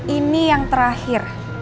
ini yang terakhir